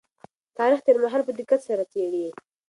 تاريخ تېر مهال په دقت سره څېړي.